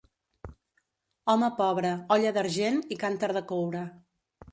Home pobre, olla d'argent i cànter de coure.